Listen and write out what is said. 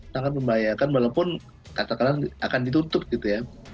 tangan membahayakan walaupun kata kata akan ditutup gitu ya